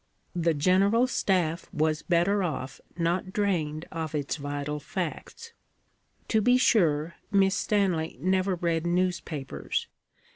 The General Staff was better off not drained of its vital facts. To be sure, Miss Stanley never read newspapers.